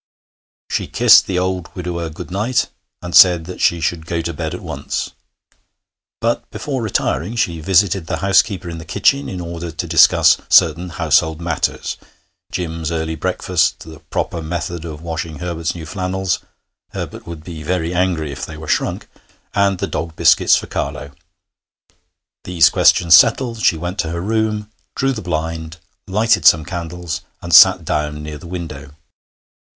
She kissed the old widower good night, and said that she should go to bed at once. But before retiring she visited the housekeeper in the kitchen in order to discuss certain household matters: Jim's early breakfast, the proper method of washing Herbert's new flannels (Herbert would be very angry if they were shrunk), and the dog biscuits for Carlo. These questions settled, she went to her room, drew the blind, lighted some candles, and sat down near the window.